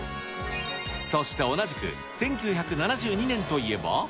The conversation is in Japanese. そして同じく、１９７２年といえば。